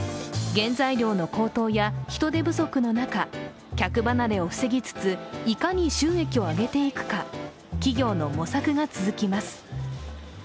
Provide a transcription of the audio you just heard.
原材料の高騰や人手不足の中、客離れを防ぎつついかに収益を上げていくか、企業の模索が続きます。